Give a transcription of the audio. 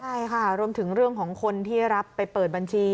ใช่ค่ะรวมถึงเรื่องของคนที่รับไปเปิดบัญชี